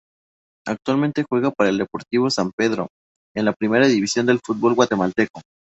Actualmente juega para el Deportivo San Pedro, de la primera división del fútbol guatemalteco.